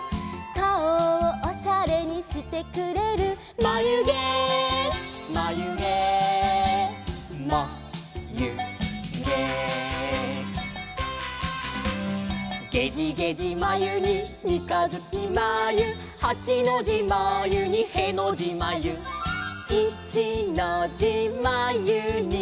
「かおをおしゃれにしてくれる」「まゆげまゆげまゆげ」「げじげじまゆにみかづきまゆ」「はちのじまゆにへのじまゆ」「いちのじまゆに」